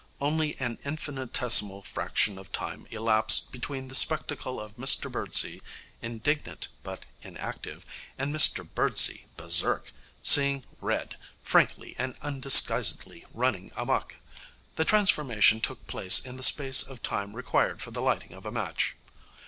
Only an infinitesimal fraction of time elapsed between the spectacle of Mr Birdsey, indignant but inactive, and Mr Birdsey berserk, seeing red, frankly and undisguisedly running amok. The transformation took place in the space of time required for the lighting of a match.